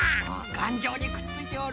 がんじょうにくっついておる。